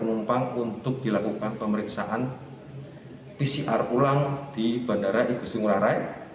untuk dilakukan pemeriksaan pcr ulang di bandara igo singurah rai